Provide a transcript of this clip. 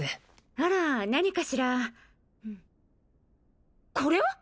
あら何かしらこれは！？